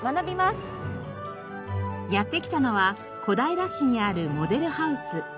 やって来たのは小平市にあるモデルハウス。